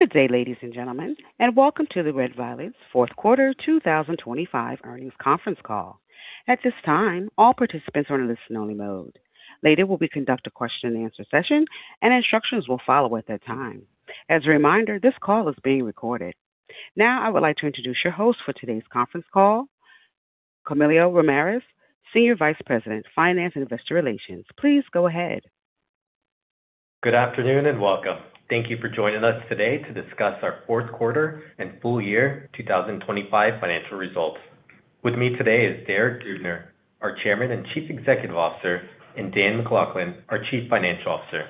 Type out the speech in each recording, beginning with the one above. Good day, ladies and gentlemen, Welcome to the Red Violet's fourth quarter 2025 earnings conference call. At this time, all participants are in listen only mode. Later, we'll be conduct a question and answer session and instructions will follow at that time. As a reminder, this call is being recorded. Now, I would like to introduce your host for today's conference call, Camilo Ramirez, Senior Vice President, Finance and Investor Relations. Please go ahead. Good afternoon, and welcome. Thank you for joining us today to discuss our fourth quarter and full year 2025 financial results. With me today is Derek Dubner, our Chairman and Chief Executive Officer, and Dan McLaughlin, our Chief Financial Officer.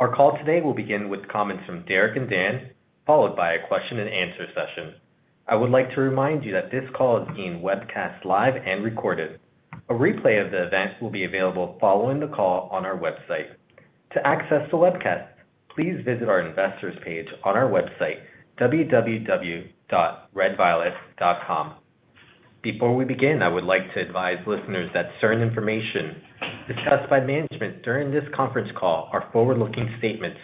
Our call today will begin with comments from Derek and Dan, followed by a question and answer session. I would like to remind you that this call is being webcast live and recorded. A replay of the event will be available following the call on our website. To access the webcast, please visit our investors page on our website, www.redviolet.com. Before we begin, I would like to advise listeners that certain information discussed by management during this conference call are forward-looking statements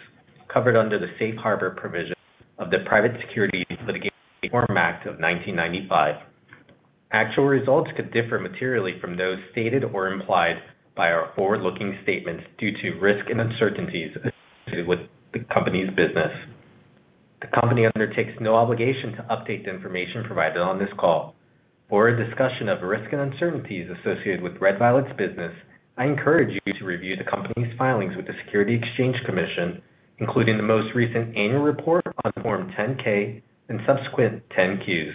covered under the safe harbor provisions of the Private Securities Litigation Reform Act of 1995. Actual results could differ materially from those stated or implied by our forward-looking statements due to risks and uncertainties associated with the company's business. The company undertakes no obligation to update the information provided on this call. For a discussion of the risks and uncertainties associated with Red Violet's business, I encourage you to review the company's filings with the Securities and Exchange Commission, including the most recent Annual Report on Form 10-K and subsequent 10-Qs.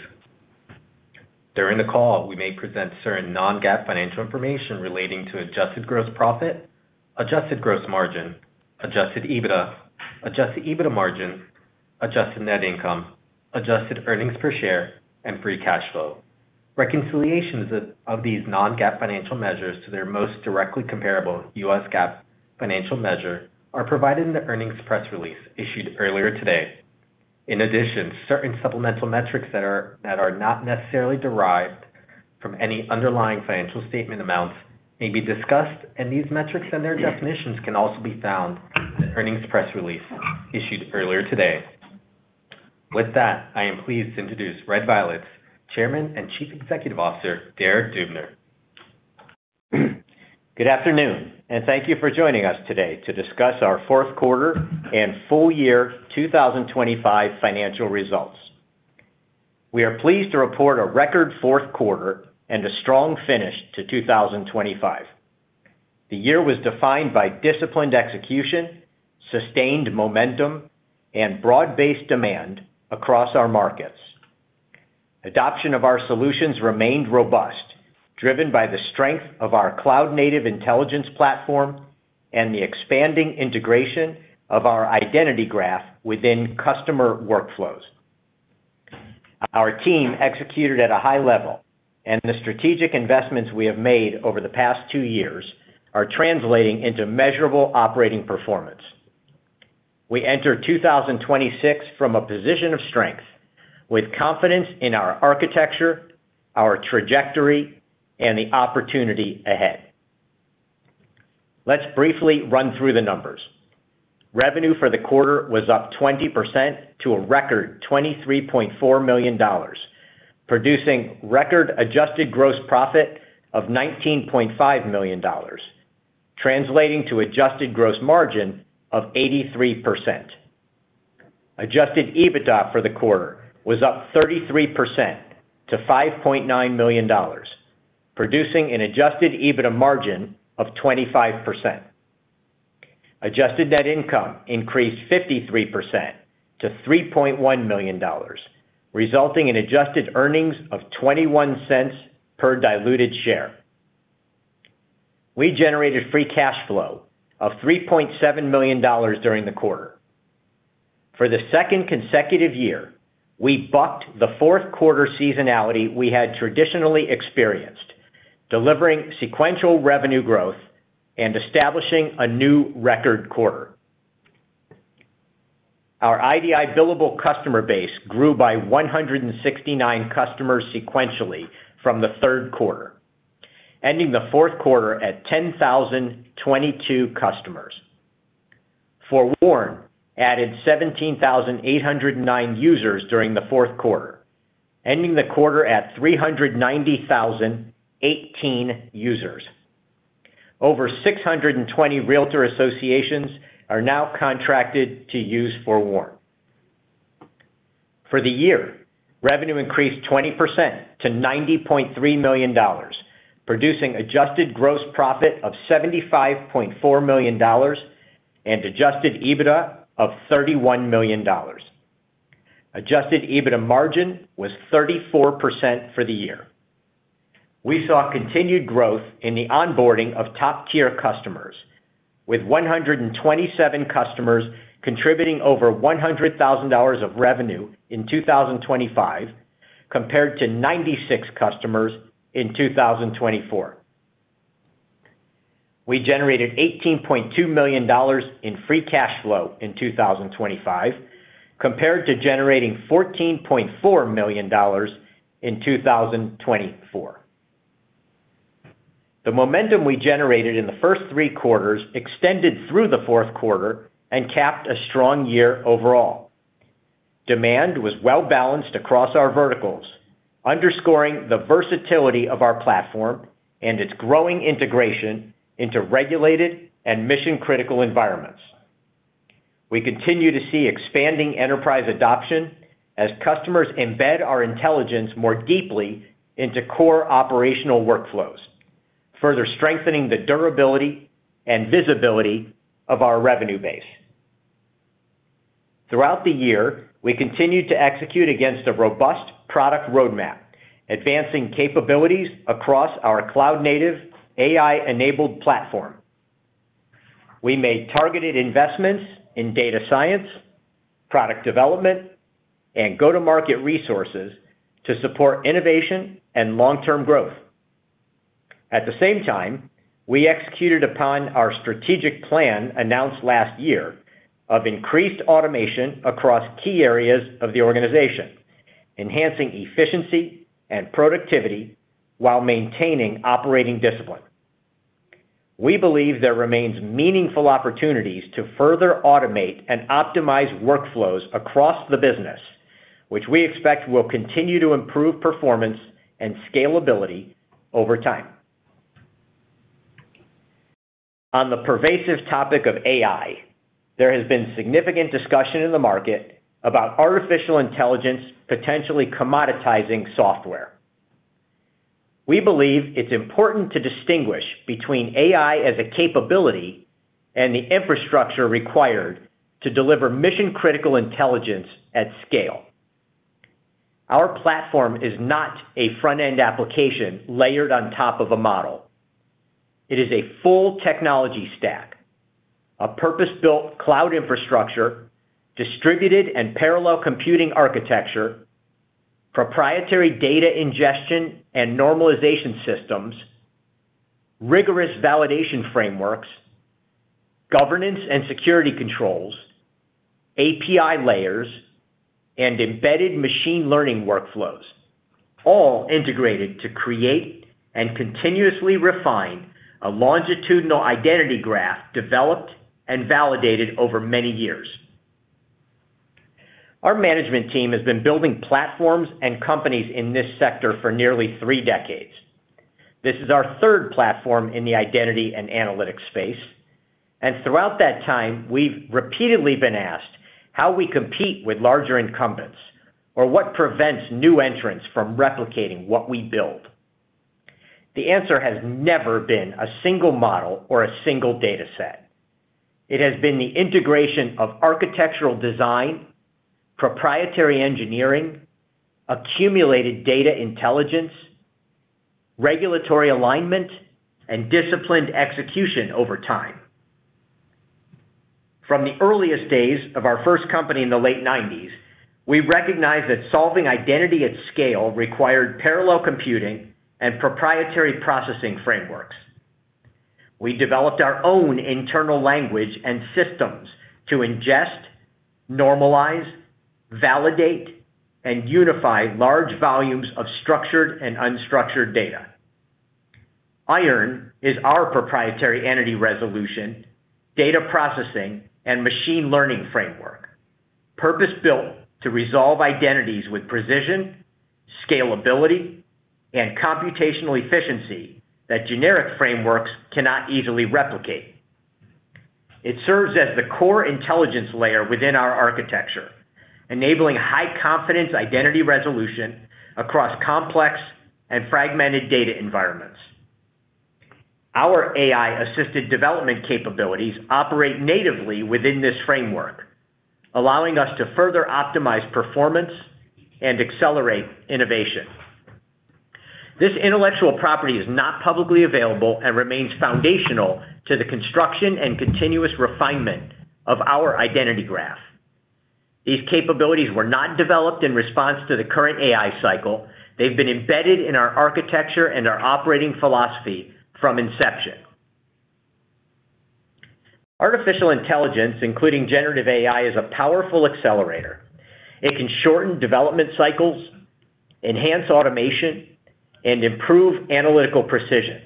During the call, we may present certain non-GAAP financial information relating to adjusted gross profit, adjusted gross margin, adjusted EBITDA, adjusted EBITDA margin, adjusted net income, adjusted earnings per share, and free cash flow. Reconciliations of these non-GAAP financial measures to their most directly comparable U.S. GAAP financial measure are provided in the earnings press release issued earlier today. In addition, certain supplemental metrics that are not necessarily derived from any underlying financial statement amounts may be discussed, these metrics and their definitions can also be found in the earnings press release issued earlier today. With that, I am pleased to introduce Red Violet's Chairman and Chief Executive Officer, Derek Dubner. Good afternoon, and thank you for joining us today to discuss our fourth quarter and full year 2025 financial results. We are pleased to report a record fourth quarter and a strong finish to 2025. The year was defined by disciplined execution, sustained momentum, and broad-based demand across our markets. Adoption of our solutions remained robust, driven by the strength of our cloud-native intelligence platform and the expanding integration of our identity graph within customer workflows. Our team executed at a high level, and the strategic investments we have made over the past two years are translating into measurable operating performance. We enter 2026 from a position of strength with confidence in our architecture, our trajectory, and the opportunity ahead. Let's briefly run through the numbers. Revenue for the quarter was up 20% to a record $23.4 million, producing record adjusted gross profit of $19.5 million, translating to adjusted gross margin of 83%. Adjusted EBITDA for the quarter was up 33% to $5.9 million, producing an adjusted EBITDA margin of 25%. Adjusted net income increased 53% to $3.1 million, resulting in adjusted earnings of $0.21 per diluted share. We generated free cash flow of $3.7 million during the quarter. For the second consecutive year, we bucked the fourth quarter seasonality we had traditionally experienced, delivering sequential revenue growth and establishing a new record quarter. Our IDI billable customer base grew by 169 customers sequentially from the third quarter, ending the fourth quarter at 10,022 customers. FOREWARN added 17,809 users during the fourth quarter, ending the quarter at 390,018 users. Over 620 realtor associations are now contracted to use FOREWARN. For the year, revenue increased 20% to $90.3 million, producing adjusted gross profit of $75.4 million and adjusted EBITDA of $31 million. Adjusted EBITDA margin was 34% for the year. We saw continued growth in the onboarding of top-tier customers, with 127 customers contributing over $100,000 of revenue in 2025 compared to 96 customers in 2024. We generated $18.2 million in free cash flow in 2025 compared to generating $14.4 million in 2024. The momentum we generated in the first three quarters extended through the fourth quarter and capped a strong year overall. Demand was well-balanced across our verticals, underscoring the versatility of our platform and its growing integration into regulated and mission-critical environments. We continue to see expanding enterprise adoption as customers embed our intelligence more deeply into core operational workflows, further strengthening the durability and visibility of our revenue base. Throughout the year, we continued to execute against a robust product roadmap, advancing capabilities across our cloud-native, AI-enabled platform. We made targeted investments in data science, product development, and go-to-market resources to support innovation and long-term growth. At the same time, we executed upon our strategic plan announced last year of increased automation across key areas of the organization, enhancing efficiency and productivity while maintaining operating discipline. We believe there remains meaningful opportunities to further automate and optimize workflows across the business, which we expect will continue to improve performance and scalability over time. On the pervasive topic of AI, there has been significant discussion in the market about artificial intelligence potentially commoditizing software. We believe it's important to distinguish between AI as a capability and the infrastructure required to deliver mission-critical intelligence at scale. Our platform is not a front-end application layered on top of a model. It is a full technology stack, a purpose-built cloud infrastructure, distributed and parallel computing architecture, proprietary data ingestion and normalization systems, rigorous validation frameworks, governance and security controls, API layers, and embedded machine learning workflows, all integrated to create and continuously refine a longitudinal identity graph developed and validated over many years. Our management team has been building platforms and companies in this sector for nearly three decades. This is our third platform in the identity and analytics space. Throughout that time, we've repeatedly been asked how we compete with larger incumbents or what prevents new entrants from replicating what we build. The answer has never been a single model or a single data set. It has been the integration of architectural design, proprietary engineering, accumulated data intelligence, regulatory alignment, and disciplined execution over time. From the earliest days of our first company in the late 1990s, we recognized that solving identity at scale required parallel computing and proprietary processing frameworks. We developed our own internal language and systems to ingest, normalize, validate, and unify large volumes of structured and unstructured data. Iron is our proprietary entity resolution, data processing, and machine learning framework, purpose-built to resolve identities with precision, scalability, and computational efficiency that generic frameworks cannot easily replicate. It serves as the core intelligence layer within our architecture, enabling high-confidence identity resolution across complex and fragmented data environments. Our AI-assisted development capabilities operate natively within this framework, allowing us to further optimize performance and accelerate innovation. This intellectual property is not publicly available and remains foundational to the construction and continuous refinement of our identity graph. These capabilities were not developed in response to the current AI cycle. They've been embedded in our architecture and our operating philosophy from inception. Artificial intelligence, including generative AI, is a powerful accelerator. It can shorten development cycles, enhance automation, and improve analytical precision.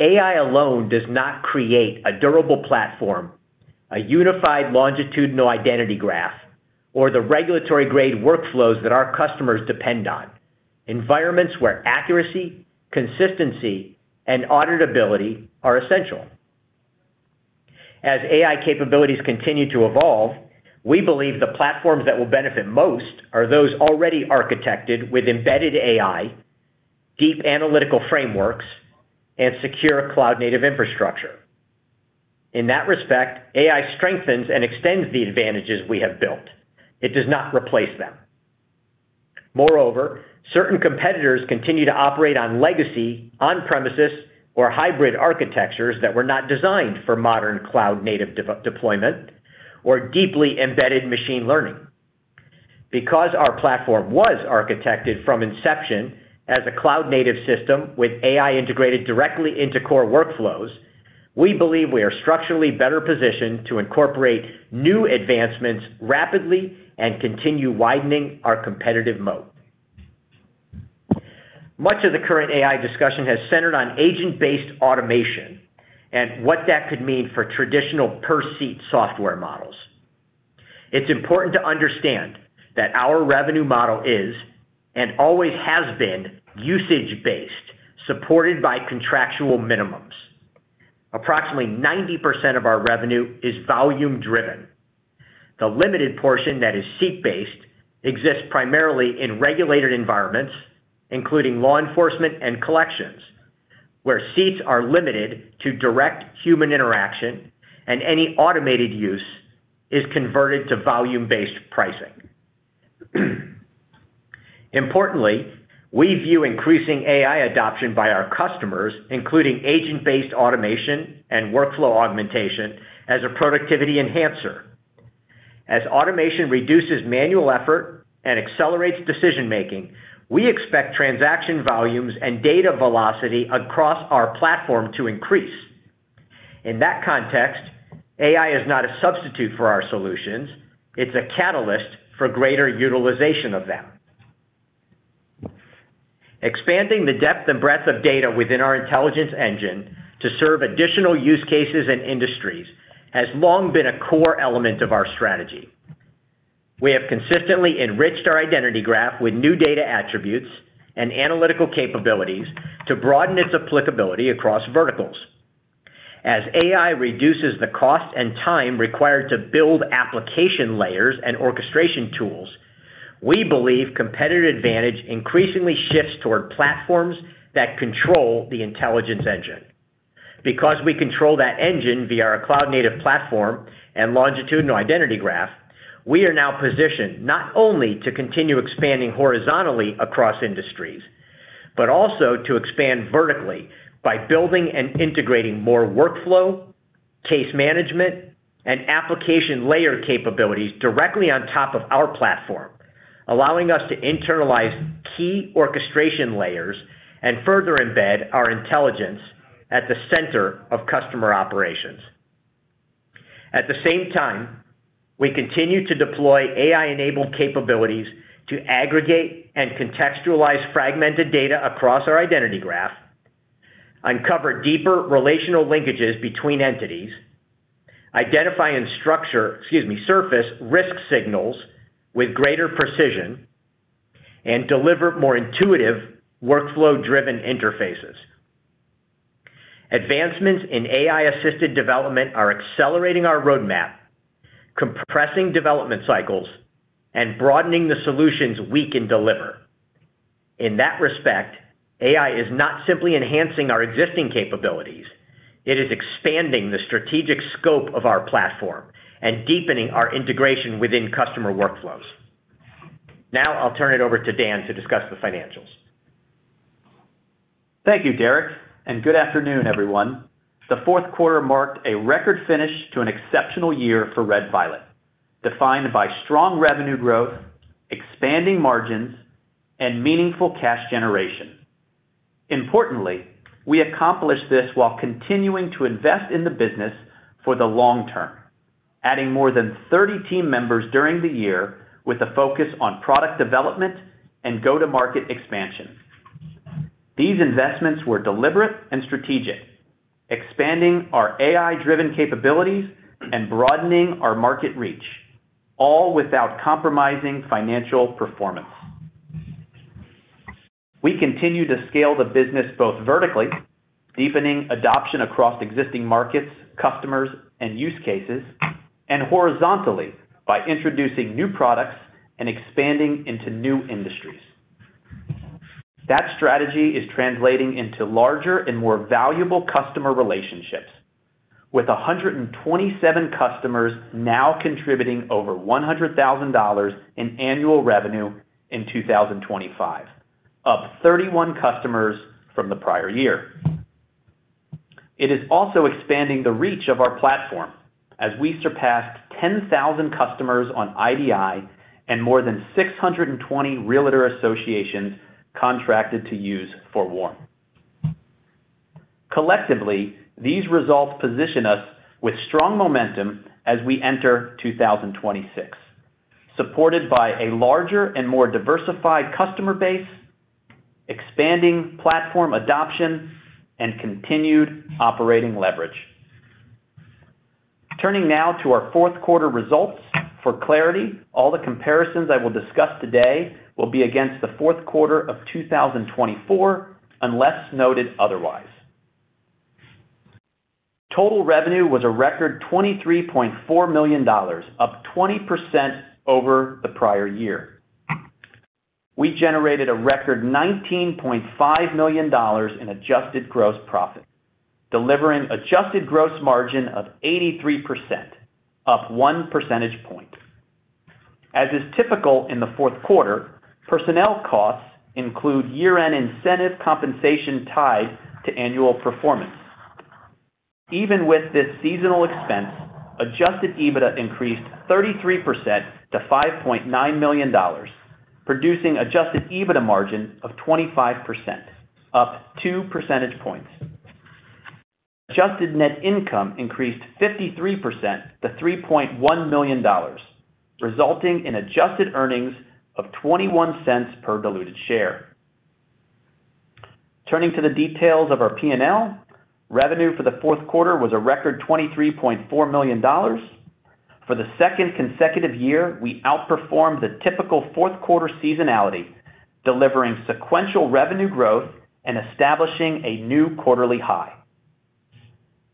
AI alone does not create a durable platform, a unified longitudinal identity graph, or the regulatory-grade workflows that our customers depend on, environments where accuracy, consistency, and auditability are essential. As AI capabilities continue to evolve, we believe the platforms that will benefit most are those already architected with embedded AI, deep analytical frameworks, and secure cloud-native infrastructure. In that respect, AI strengthens and extends the advantages we have built. It does not replace them. Moreover, certain competitors continue to operate on legacy, on-premises, or hybrid architectures that were not designed for modern cloud-native deployment or deeply embedded machine learning. Our platform was architected from inception as a cloud-native system with AI integrated directly into core workflows. We believe we are structurally better positioned to incorporate new advancements rapidly and continue widening our competitive moat. Much of the current AI discussion has centered on agent-based automation and what that could mean for traditional per-seat software models. It's important to understand that our revenue model is, and always has been, usage-based, supported by contractual minimums. Approximately 90% of our revenue is volume driven. The limited portion that is seat-based exists primarily in regulated environments, including law enforcement and collections, where seats are limited to direct human interaction and any automated use is converted to volume-based pricing. Importantly, we view increasing AI adoption by our customers, including agent-based automation and workflow augmentation, as a productivity enhancer. As automation reduces manual effort and accelerates decision-making, we expect transaction volumes and data velocity across our platform to increase. In that context, AI is not a substitute for our solutions, it's a catalyst for greater utilization of them. Expanding the depth and breadth of data within our intelligence engine to serve additional use cases and industries has long been a core element of our strategy. We have consistently enriched our identity graph with new data attributes and analytical capabilities to broaden its applicability across verticals. As AI reduces the cost and time required to build application layers and orchestration tools, we believe competitive advantage increasingly shifts toward platforms that control the intelligence engine. Because we control that engine via our cloud-native platform and longitudinal identity graph, we are now positioned not only to continue expanding horizontally across industries, but also to expand vertically by building and integrating more workflow, case management, and application layer capabilities directly on top of our platform, allowing us to internalize key orchestration layers and further embed our intelligence at the center of customer operations. At the same time, we continue to deploy AI-enabled capabilities to aggregate and contextualize fragmented data across our identity graph, uncover deeper relational linkages between entities, identify, excuse me, surface risk signals with greater precision, and deliver more intuitive workflow-driven interfaces. Advancements in AI-assisted development are accelerating our roadmap, compressing development cycles, and broadening the solutions we can deliver. In that respect, AI is not simply enhancing our existing capabilities, it is expanding the strategic scope of our platform and deepening our integration within customer workflows. Now I'll turn it over to Dan to discuss the financials. Thank you, Derek. Good afternoon, everyone. The fourth quarter marked a record finish to an exceptional year for Red Violet, defined by strong revenue growth, expanding margins, and meaningful cash generation. Importantly, we accomplished this while continuing to invest in the business for the long term, adding more than 30 team members during the year with a focus on product development and go-to-market expansion. These investments were deliberate and strategic, expanding our AI-driven capabilities and broadening our market reach, all without compromising financial performance. We continue to scale the business both vertically, deepening adoption across existing markets, customers, and use cases, and horizontally by introducing new products and expanding into new industries. That strategy is translating into larger and more valuable customer relationships, with 127 customers now contributing over $100,000 in annual revenue in 2025, up 31 customers from the prior year. It is also expanding the reach of our platform as we surpassed 10,000 customers on IDI and more than 620 realtor associations contracted to use FOREWARN. Collectively, these results position us with strong momentum as we enter 2026, supported by a larger and more diversified customer base, expanding platform adoption, and continued operating leverage. Turning now to our fourth quarter results. For clarity, all the comparisons I will discuss today will be against the fourth quarter of 2024, unless noted otherwise. Total revenue was a record $23.4 million, up 20% over the prior year. We generated a record $19.5 million in adjusted gross profit, delivering adjusted gross margin of 83%, up 1 percentage point. As is typical in the fourth quarter, personnel costs include year-end incentive compensation tied to annual performance. Even with this seasonal expense, adjusted EBITDA increased 33% to $5.9 million, producing adjusted EBITDA margin of 25%, up 2 percentage points. Adjusted net income increased 53% to $3.1 million, resulting in adjusted earnings of $0.21 per diluted share. Turning to the details of our P&L, revenue for the fourth quarter was a record $23.4 million. For the second consecutive year, we outperformed the typical fourth quarter seasonality, delivering sequential revenue growth and establishing a new quarterly high.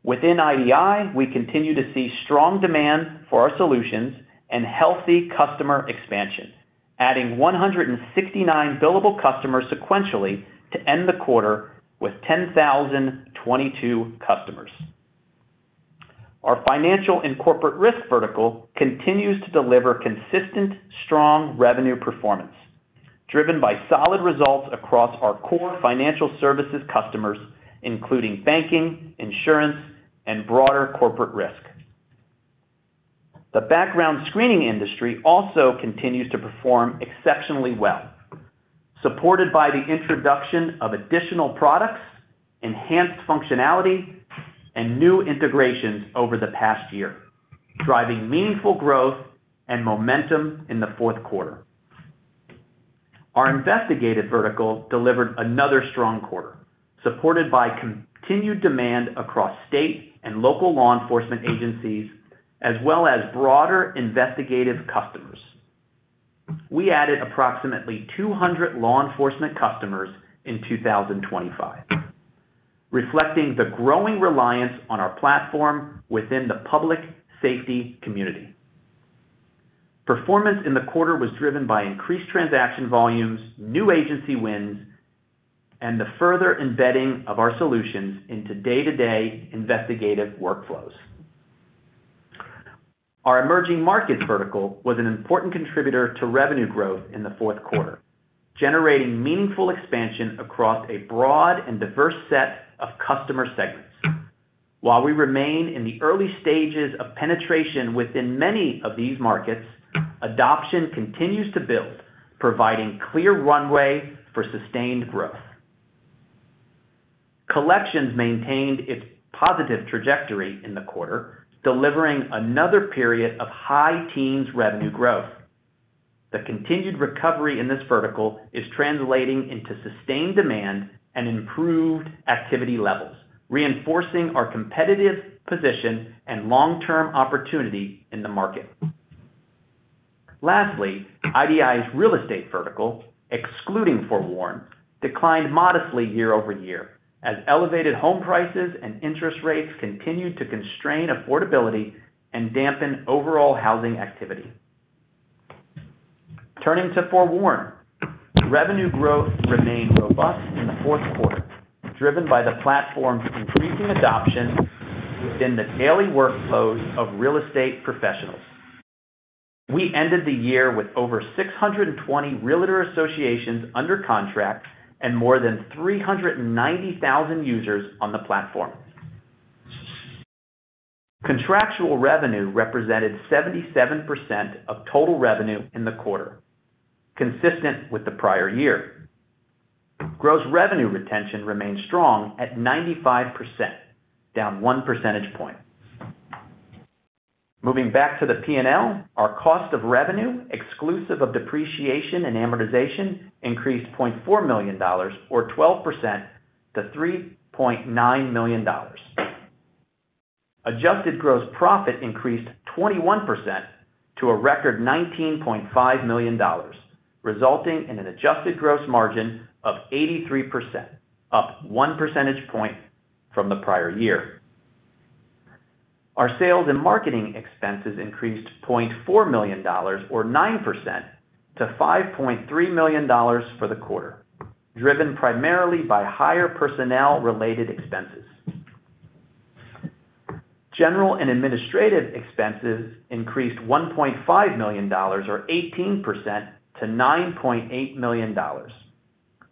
Within IDI, we continue to see strong demand for our solutions and healthy customer expansion, adding 169 billable customers sequentially to end the quarter with 10,022 customers. Our financial and corporate risk vertical continues to deliver consistent, strong revenue performance, driven by solid results across our core financial services customers, including banking, insurance, and broader corporate risk. The background screening industry also continues to perform exceptionally well, supported by the introduction of additional products, enhanced functionality, and new integrations over the past year, driving meaningful growth and momentum in the fourth quarter. Our investigative vertical delivered another strong quarter, supported by continued demand across state and local law enforcement agencies as well as broader investigative customers. We added approximately 200 law enforcement customers in 2025, reflecting the growing reliance on our platform within the public safety community. Performance in the quarter was driven by increased transaction volumes, new agency wins, and the further embedding of our solutions into day-to-day investigative workflows. Our emerging markets vertical was an important contributor to revenue growth in the fourth quarter, generating meaningful expansion across a broad and diverse set of customer segments. While we remain in the early stages of penetration within many of these markets, adoption continues to build, providing clear runway for sustained growth. Collections maintained its positive trajectory in the quarter, delivering another period of high teens revenue growth. The continued recovery in this vertical is translating into sustained demand and improved activity levels, reinforcing our competitive position and long-term opportunity in the market. IDI's real estate vertical, excluding FOREWARN, declined modestly year-over-year as elevated home prices and interest rates continued to constrain affordability and dampen overall housing activity. Turning to FOREWARN, revenue growth remained robust in the fourth quarter, driven by the platform's increasing adoption within the daily workflows of real estate professionals. We ended the year with over 620 realtor associations under contract and more than 390,000 users on the platform. Contractual revenue represented 77% of total revenue in the quarter, consistent with the prior year. Gross revenue retention remained strong at 95%, down one percentage point. Moving back to the P&L, our cost of revenue, exclusive of depreciation and amortization, increased $0.4 million or 12% to $3.9 million. Adjusted gross profit increased 21% to a record $19.5 million, resulting in an adjusted gross margin of 83%, up one percentage point from the prior year. Our sales and marketing expenses increased $0.4 million or 9% to $5.3 million for the quarter, driven primarily by higher personnel-related expenses. General and administrative expenses increased $1.5 million or 18% to $9.8 million,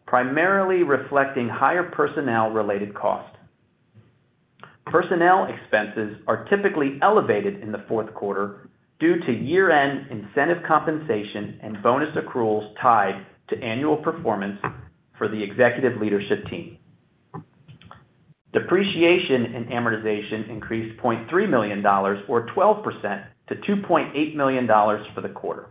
primarily reflecting higher personnel-related costs. Personnel expenses are typically elevated in the fourth quarter due to year-end incentive compensation and bonus accruals tied to annual performance for the executive leadership team. Depreciation and amortization increased $0.3 million or 12% to $2.8 million for the quarter.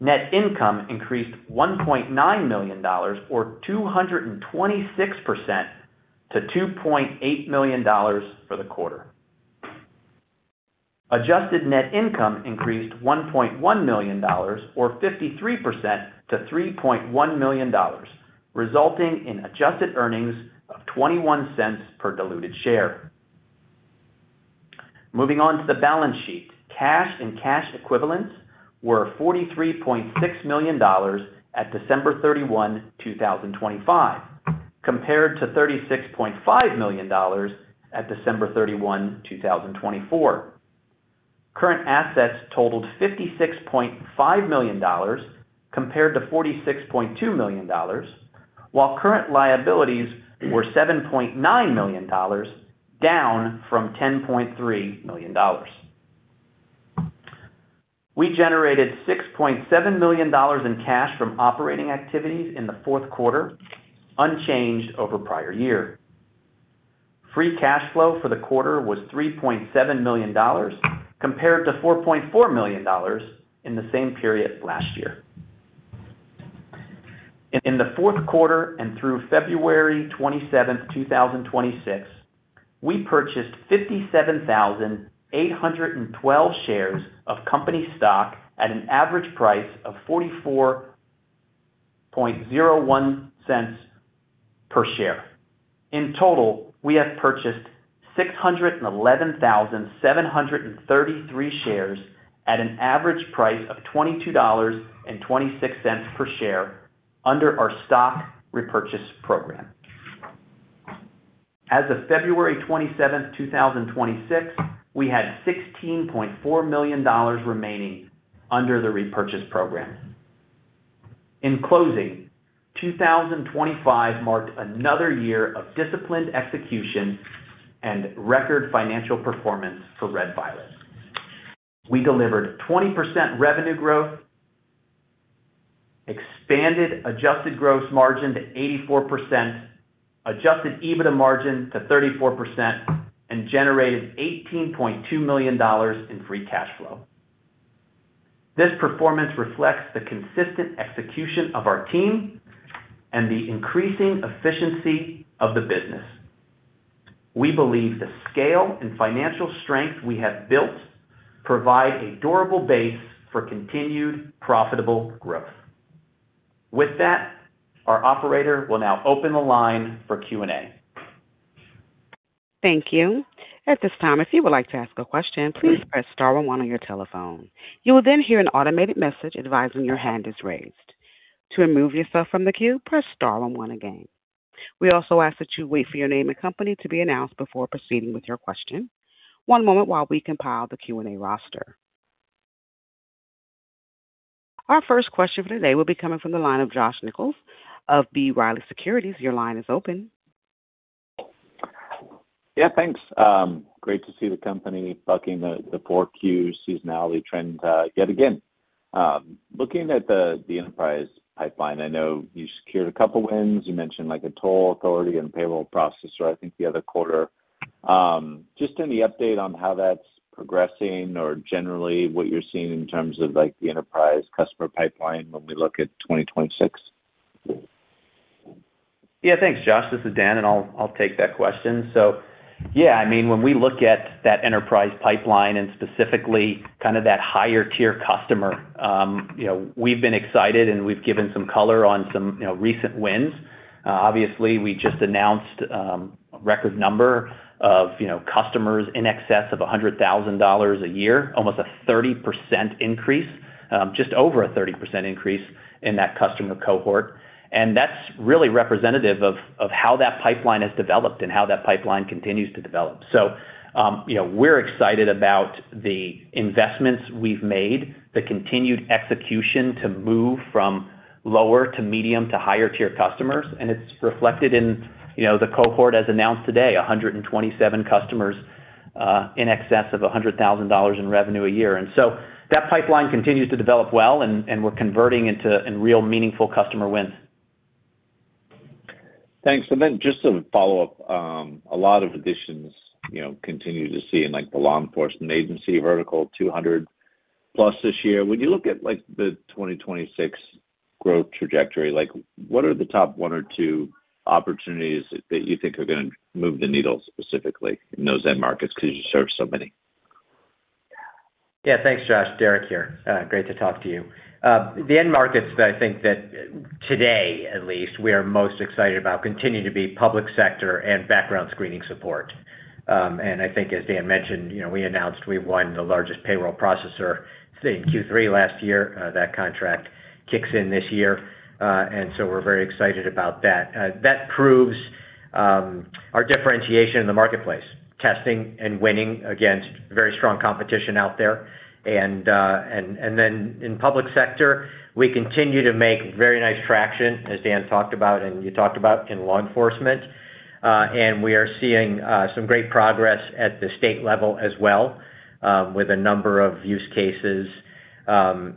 Net income increased $1.9 million or 226% to $2.8 million for the quarter. adjusted net income increased $1.1 million or 53% to $3.1 million, resulting in adjusted earnings of $0.21 per diluted share. Moving on to the balance sheet. Cash and cash equivalents were $43.6 million at December 31, 2025, compared to $36.5 million at December 31, 2024. Current assets totaled $56.5 million compared to $46.2 million. Current liabilities were $7.9 million, down from $10.3 million. We generated $6.7 million in cash from operating activities in the fourth quarter, unchanged over prior year. Free cash flow for the quarter was $3.7 million compared to $4.4 million in the same period last year. In the fourth quarter, and through February 27, 2026, we purchased 57,812 shares of company stock at an average price of $0.4401 per share. In total, we have purchased 611,733 shares at an average price of $22.26 per share under our stock repurchase program. As of February 27, 2026, we had $16.4 million remaining under the repurchase program. In closing, 2025 marked another year of disciplined execution and record financial performance for Red Violet. We delivered 20% revenue growth, expanded adjusted gross margin to 84%, adjusted EBITDA margin to 34%, and generated $18.2 million in free cash flow. This performance reflects the consistent execution of our team and the increasing efficiency of the business. We believe the scale and financial strength we have built provide a durable base for continued profitable growth. With that, our operator will now open the line for Q&A. Thank you. At this time, if you would like to ask a question, please press star one on your telephone. You will then hear an automated message advising your hand is raised. To remove yourself from the queue, press star one again. We also ask that you wait for your name and company to be announced before proceeding with your question. One moment while we compile the Q&A roster. Our first question for today will be coming from the line of Josh Nichols of B. Riley Securities. Your line is open. Yeah, thanks. Great to see the company bucking the poor Q seasonality trend yet again. Looking at the enterprise pipeline, I know you secured a couple wins. You mentioned like a toll authority and payroll processor, I think the other quarter. Just any update on how that's progressing or generally what you're seeing in terms of like the enterprise customer pipeline when we look at 2026? Thanks, Josh. This is Dan, I'll take that question. Yeah, I mean, when we look at that enterprise pipeline and specifically kind of that higher tier customer, you know, we've been excited, and we've given some color on some, you know, recent wins. Obviously, we just announced record number of, you know, customers in excess of $100,000 a year, almost a 30% increase, just over a 30% increase in that customer cohort. That's really representative of how that pipeline has developed and how that pipeline continues to develop. You know, we're excited about the investments we've made, the continued execution to move from lower to medium to higher tier customers. It's reflected in, you know, the cohort as announced today, 127 customers, in excess of $100,000 in revenue a year. That pipeline continues to develop well and we're converting into real meaningful customer wins. Thanks. Just to follow up, a lot of additions, you know, continue to see in like the law enforcement agency vertical 200+ this year. When you look at like the 2026 growth trajectory, like what are the top one or two opportunities that you think are gonna move the needle specifically in those end markets 'cause you serve so many? Yeah, thanks, Josh. Derek here. Great to talk to you. The end markets that I think that today, at least we are most excited about continue to be public sector and background screening support. I think as Dan mentioned, you know, we announced we won the largest payroll processor, I think in Q3 last year. That contract kicks in this year. We're very excited about that. That proves our differentiation in the marketplace, testing and winning against very strong competition out there. In public sector, we continue to make very nice traction, as Dan talked about, and you talked about in law enforcement. We are seeing some great progress at the state level as well, with a number of use cases,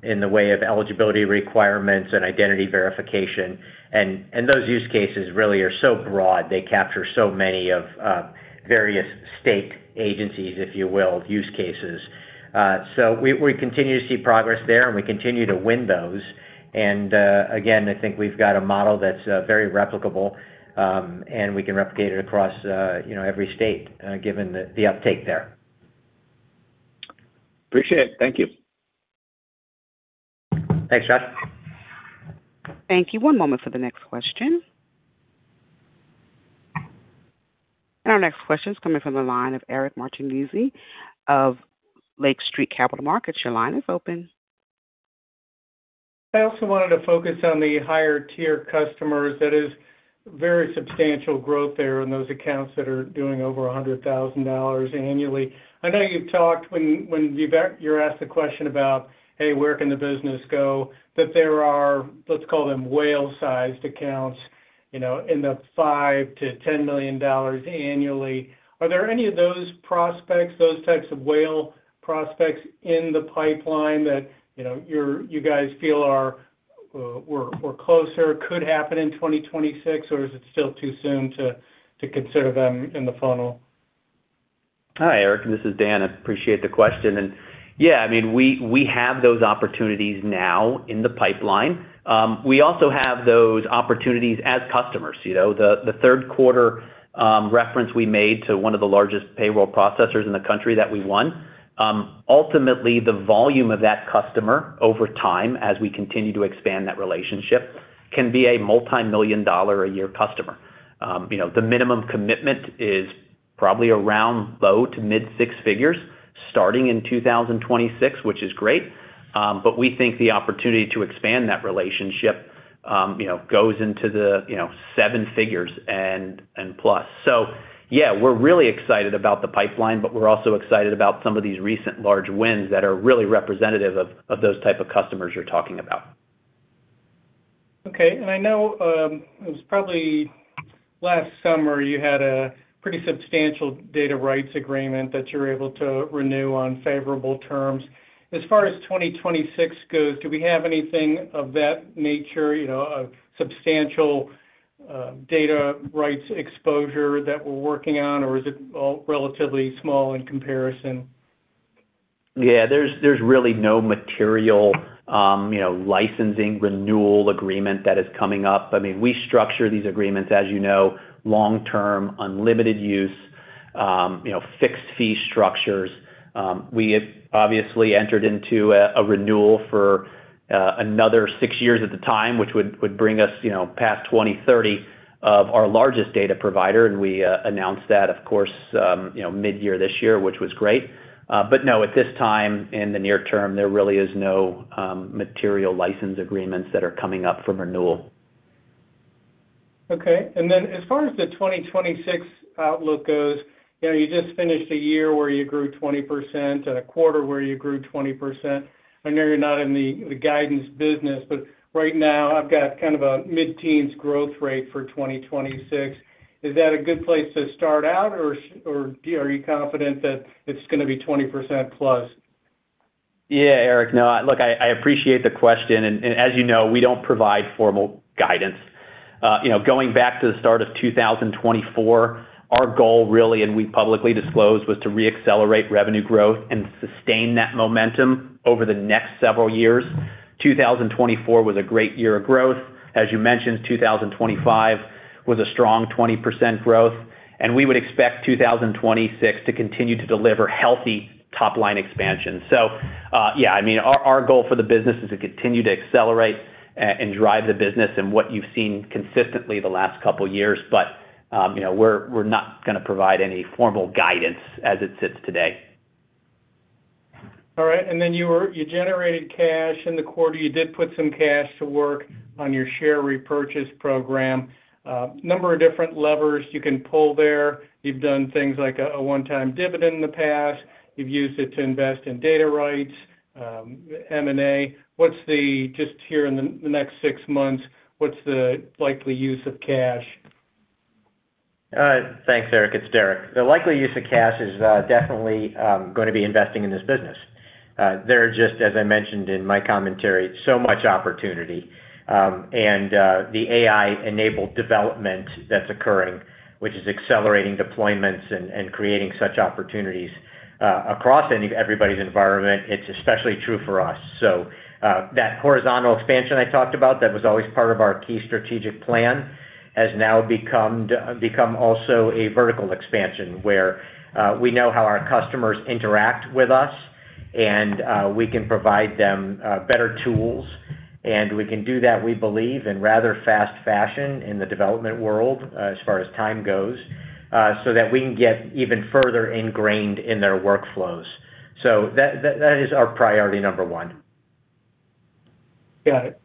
in the way of eligibility requirements and identity verification. Those use cases really are so broad, they capture so many of various state agencies, if you will, use cases. We continue to see progress there, and we continue to win those. Again, I think we've got a model that's very replicable, and we can replicate it across, you know, every state, given the uptake there. Appreciate it. Thank you. Thanks, Josh. Thank you. One moment for the next question. Our next question is coming from the line of Eric Martinuzzi of Lake Street Capital Markets. Your line is open. I also wanted to focus on the higher tier customers. That is very substantial growth there in those accounts that are doing over $100,000 annually. I know you've talked when you're asked the question about, "Hey, where can the business go?" That there are, let's call them whale-sized accounts, you know, in the $5 million-$10 million annually. Are there any of those prospects, those types of whale prospects in the pipeline that, you know, you guys feel are or closer could happen in 2026, or is it still too soon to consider them in the funnel? Hi, Eric, this is Dan. I appreciate the question. Yeah, I mean, we have those opportunities now in the pipeline. We also have those opportunities as customers. You know, the third quarter reference we made to one of the largest payroll processors in the country that we won. Ultimately, the volume of that customer over time as we continue to expand that relationship, can be a multi-million dollar a year customer. You know, the minimum commitment is probably around low to mid six figures starting in 2026, which is great. We think the opportunity to expand that relationship, you know, goes into the, you know, seven figures and plus. Yeah, we're really excited about the pipeline, but we're also excited about some of these recent large wins that are really representative of those type of customers you're talking about. Okay. I know, it was probably last summer, you had a pretty substantial data rights agreement that you're able to renew on favorable terms. As far as 2026 goes, do we have anything of that nature, you know, a substantial data rights exposure that we're working on, or is it all relatively small in comparison? Yeah, there's really no material, you know, licensing renewal agreement that is coming up. I mean, we structure these agreements, as you know, long-term, unlimited use, you know, fixed fee structures. We obviously entered into a renewal for another six years at the time, which would bring us, you know, past 2030 of our largest data provider. We announced that, of course, you know, mid-year this year, which was great. No, at this time, in the near term, there really is no material license agreements that are coming up for renewal. Okay. Then as far as the 2026 outlook goes, you know, you just finished a year where you grew 20% and a quarter where you grew 20%. I know you're not in the guidance business, but right now I've got kind of a mid-teens growth rate for 2026. Is that a good place to start out, or are you confident that it's gonna be 20% plus? Yeah, Eric, no. Look, I appreciate the question, and as you know, we don't provide formal guidance. You know, going back to the start of 2024, our goal really, and we publicly disclosed, was to re-accelerate revenue growth and sustain that momentum over the next several years. 2024 was a great year of growth. As you mentioned, 2025 was a strong 20% growth, and we would expect 2026 to continue to deliver healthy top-line expansion. Yeah, I mean, our goal for the business is to continue to accelerate and drive the business and what you've seen consistently the last couple years, but, you know, we're not gonna provide any formal guidance as it sits today. All right. You generated cash in the quarter. You did put some cash to work on your share repurchase program. A number of different levers you can pull there. You've done things like a one-time dividend in the past. You've used it to invest in data rights, M&A. What's just here in the next six months, what's the likely use of cash? Thanks, Eric. It's Derek. The likely use of cash is definitely gonna be investing in this business. There are just, as I mentioned in my commentary, so much opportunity. The AI-enabled development that's occurring, which is accelerating deployments and creating such opportunities across everybody's environment. It's especially true for us. That horizontal expansion I talked about, that was always part of our key strategic plan, has now become also a vertical expansion, where we know how our customers interact with us and we can provide them better tools, and we can do that, we believe, in rather fast fashion in the development world as far as time goes, so that we can get even further ingrained in their workflows. That is our priority number one. Got it.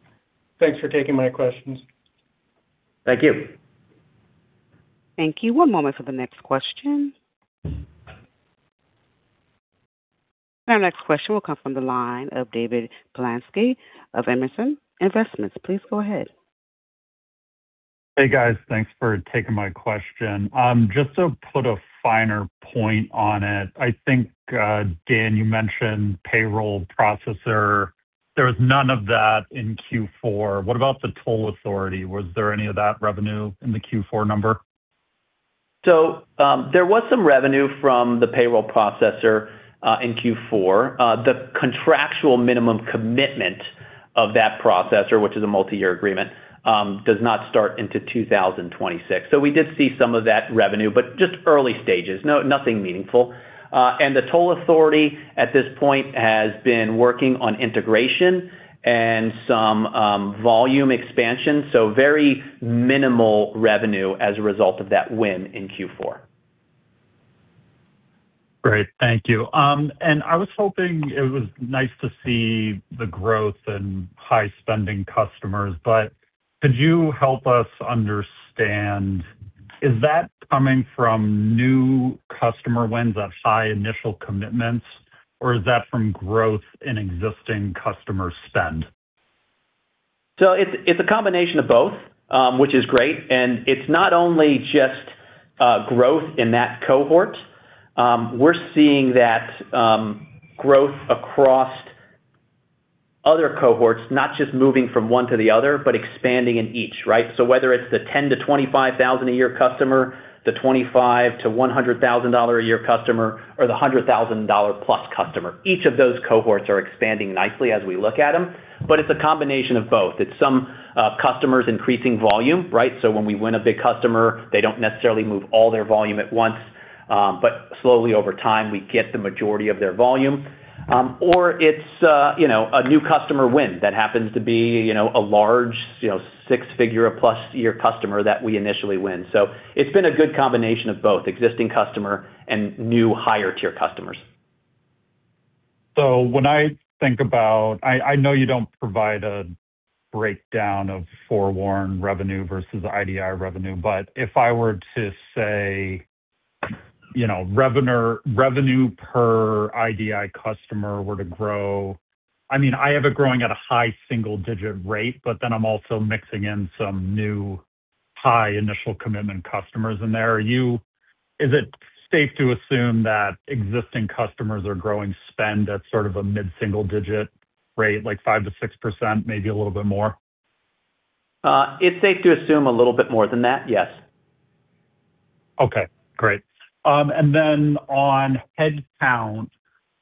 Thanks for taking my questions. Thank you. Thank you. One moment for the next question. Our next question will come from the line of David Glancy of Emerson Investments. Please go ahead. Hey, guys. Thanks for taking my question. just to put a finer point on it, I think, Dan, you mentioned payroll processor. There was none of that in Q4. What about the toll authority? Was there any of that revenue in the Q4 number? There was some revenue from the payroll processor in Q4. The contractual minimum commitment of that processor, which is a multi-year agreement, does not start into 2026. We did see some of that revenue, but just early stages, nothing meaningful. The toll authority at this point has been working on integration and some volume expansion, so very minimal revenue as a result of that win in Q4. Great. Thank you. I was hoping it was nice to see the growth and high spending customers, but could you help us understand, is that coming from new customer wins of high initial commitments, or is that from growth in existing customer spend? It's a combination of both, which is great. It's not only just growth in that cohort. We're seeing that growth across other cohorts, not just moving from one to the other, but expanding in each, right? Whether it's the $10,000-$25,000 a year customer, the $25,000-$100,000 a year customer, or the $100,000-plus customer, each of those cohorts are expanding nicely as we look at them. It's a combination of both. It's some customers increasing volume, right? When we win a big customer, they don't necessarily move all their volume at once, but slowly over time, we get the majority of their volume. or it's, you know, a new customer win that happens to be, you know, a large, you know, six-figure plus year customer that we initially win. It's been a good combination of both existing customer and new higher tier customers. When I think about... I know you don't provide a breakdown of FOREWARN revenue versus IDI revenue, but if I were to say, you know, revenue per IDI customer were to grow, I mean, I have it growing at a high single-digit rate, but then I'm also mixing in some new high initial commitment customers in there. Is it safe to assume that existing customers are growing spend at sort of a mid-single digit rate, like 5%-6%, maybe a little bit more? It's safe to assume a little bit more than that. Yes. Okay, great. On headcount,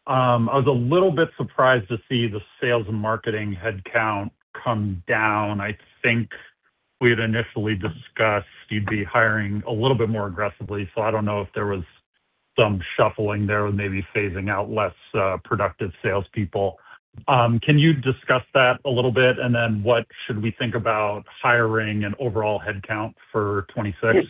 I was a little bit surprised to see the sales and marketing headcount come down. I think we had initially discussed you'd be hiring a little bit more aggressively, so I don't know if there was some shuffling there or maybe phasing out less productive salespeople. Can you discuss that a little bit? What should we think about hiring and overall headcount for 2026? Yeah.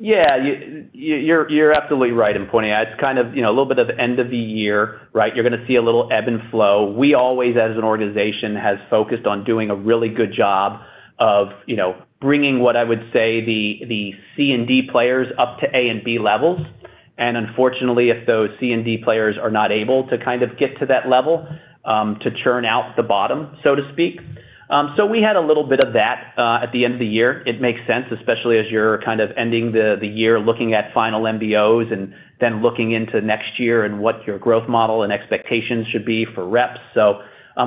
You're, you're absolutely right in pointing out. It's kind of, you know, a little bit of end of the year, right? You're gonna see a little ebb and flow. We always, as an organization, has focused on doing a really good job of, you know, bringing what I would say the C and D players up to A and B levels. Unfortunately, if those C and D players are not able to kind of get to that level, to churn out the bottom, so to speak. So we had a little bit of that at the end of the year. It makes sense, especially as you're kind of ending the year looking at final MBOs looking into next year and what your growth model and expectations should be for reps.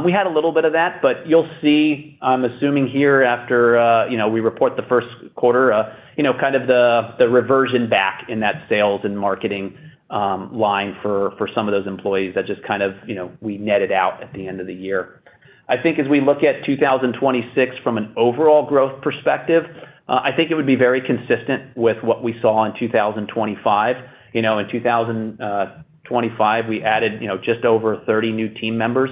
We had a little bit of that, but you'll see, I'm assuming here after, you know, we report the first quarter, you know, kind of the reversion back in that sales and marketing line for some of those employees that just kind of, you know, we netted out at the end of the year. I think as we look at 2026 from an overall growth perspective, I think it would be very consistent with what we saw in 2025. You know, in 2025, we added, you know, just over 30 new team members,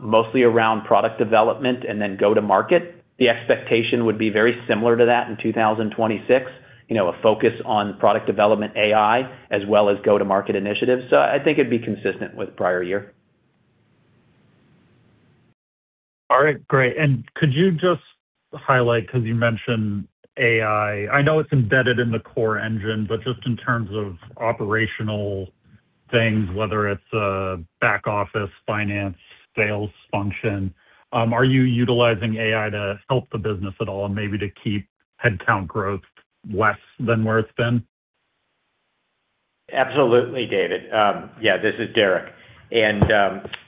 mostly around product development and then go-to-market. The expectation would be very similar to that in 2026. You know, a focus on product development AI as well as go-to-market initiatives. I think it'd be consistent with prior year. All right, great. Could you just highlight, 'cause you mentioned AI. I know it's embedded in the core engine, but just in terms of operational things, whether it's a back office, finance, sales function, are you utilizing AI to help the business at all and maybe to keep headcount growth less than where it's been? Absolutely, David. Yeah, this is Derek.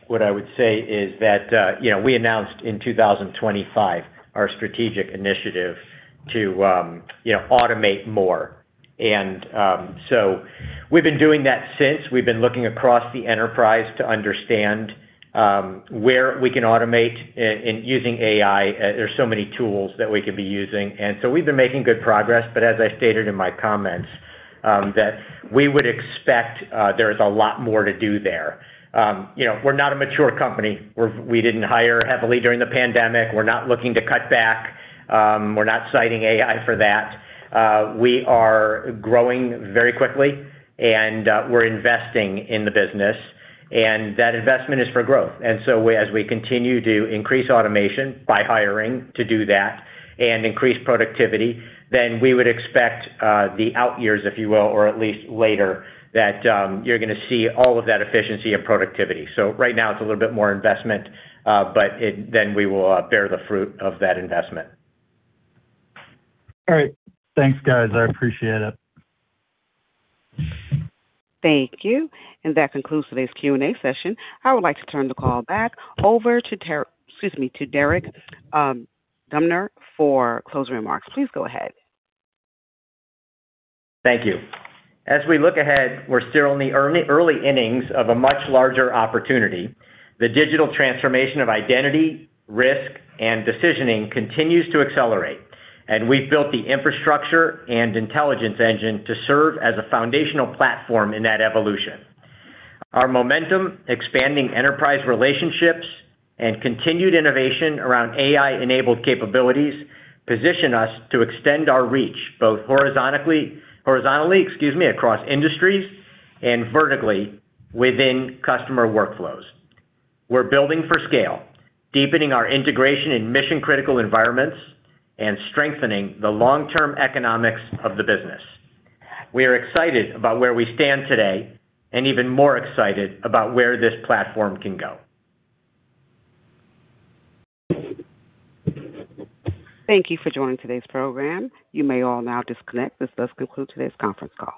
What I would say is that, you know, we announced in 2025 our strategic initiative to, you know, automate more. So we've been doing that since. We've been looking across the enterprise to understand where we can automate using AI. There's so many tools that we could be using, and so we've been making good progress. As I stated in my comments, that we would expect there is a lot more to do there. You know, we're not a mature company. We didn't hire heavily during the pandemic. We're not looking to cut back. We're not citing AI for that. We are growing very quickly, and we're investing in the business, and that investment is for growth. As we continue to increase automation by hiring to do that and increase productivity, then we would expect the out years, if you will, or at least later, that you're gonna see all of that efficiency and productivity. Right now it's a little bit more investment, but then we will bear the fruit of that investment. All right. Thanks, guys. I appreciate it. Thank you. That concludes today's Q&A session. I would like to turn the call back over to excuse me, to Derek Dubner for closing remarks. Please go ahead. Thank you. As we look ahead, we're still in the early innings of a much larger opportunity. The digital transformation of identity, risk, and decisioning continues to accelerate. We've built the infrastructure and intelligence engine to serve as a foundational platform in that evolution. Our momentum, expanding enterprise relationships, and continued innovation around AI-enabled capabilities position us to extend our reach both horizontally, excuse me, across industries and vertically within customer workflows. We're building for scale, deepening our integration in mission-critical environments and strengthening the long-term economics of the business. We are excited about where we stand today and even more excited about where this platform can go. Thank you for joining today's program. You may all now disconnect. This does conclude today's conference call.